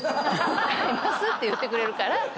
て言ってくれるから。